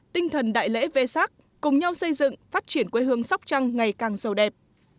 tinh thần đại lễ v sac cùng nhau xây dựng phát triển quê hương sóc trăng ngày càng sâu đẹp